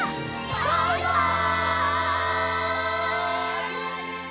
バイバイ！